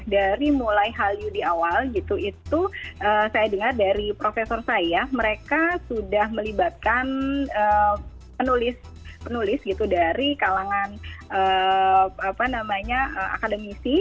dari mulai hallyu di awal gitu itu saya dengar dari profesor saya mereka sudah melibatkan penulis gitu dari kalangan akademisi